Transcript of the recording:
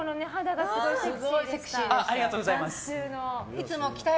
ありがとうございます。